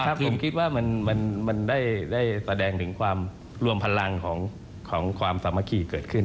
ผมคิดว่ามันได้แสดงถึงความรวมพลังของความสามัคคีเกิดขึ้น